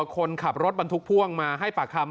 คนขับรถมาทุกภท่วงมาให้ประคัม